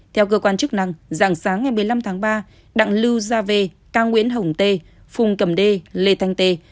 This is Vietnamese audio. theo cơ quan chức năng dạng sáng ngày một mươi năm tháng ba đặng lưu gia v ca nguyễn hồng tê phùng cầm đê lê thanh tê